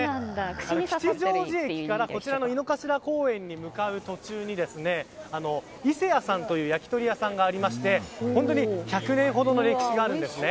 吉祥寺駅からこちらの井の頭公園に向かう途中にいせやさんという焼き鳥屋さんがありまして１００年ほどの歴史があるんです。